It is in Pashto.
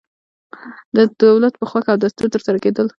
د دولت په خوښه او دستور ترسره کېدل.